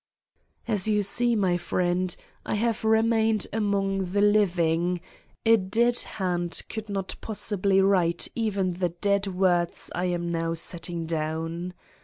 As you see, my friend, I have remained among the living, a dead hand could not possibly write even the dead words I am not setting down.